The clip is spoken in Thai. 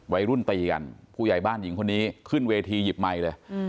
วัยรุ่นตีกันผู้ใหญ่บ้านหญิงคนนี้ขึ้นเวทีหยิบไมค์เลย